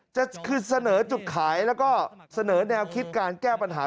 จะคือเสนอจุดขายแล้วก็เสนอแนวคิดการแก้ปัญหา